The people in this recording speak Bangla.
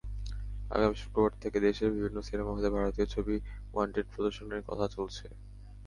আগামী শুক্রবার থেকে দেশের বিভিন্ন সিনেমা হলে ভারতীয় ছবি ওয়ান্টেড প্রদর্শনের কথা চলছে।